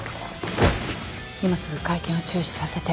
今すぐ会見を中止させて。